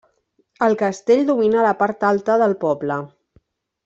El Castell domina la part alta del poble.